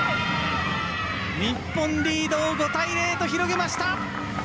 日本リードを５対０と広げました。